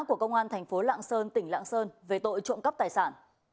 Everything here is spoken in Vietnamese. của công an thành phố lạng sơn tỉnh lạng sơn về tội trộm cắp tài sản